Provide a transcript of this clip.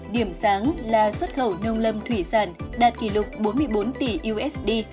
điểm sáng là xuất khẩu nông lâm thủy sản đạt kỷ lục bốn mươi bốn tỷ usd